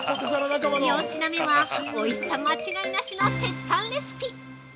◆４品目はおいしさ間違いなしの鉄板レシピ。